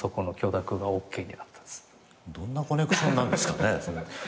どんなコネクションなんですかね。